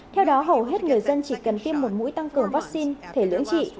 theo đó hầu hết người dân chỉ cần tiêm một mũi tăng cường vaccine thể lưỡng trị